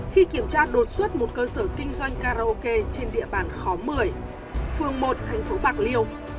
khi kiểm tra đột xuất một cơ sở kinh doanh karaoke trên địa bàn khóm một mươi phường một thành phố bạc liêu